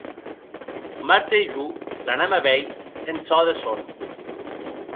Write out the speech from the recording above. Marta e jo l'anam a veir en çò de sòn.